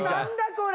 これ！